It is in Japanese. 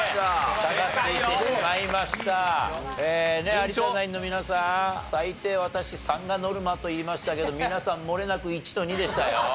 有田ナインの皆さん最低私３がノルマと言いましたけど皆さんもれなく１と２でしたよ。